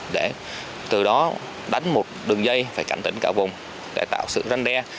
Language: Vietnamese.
để từ đó đánh một đường dây phải cảnh tỉnh cả vùng để tạo sự răn đe